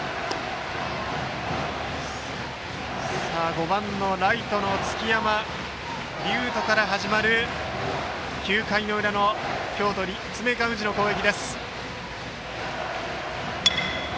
５番ライトの築山隆翔から始まる９回の裏の京都・立命館宇治の攻撃。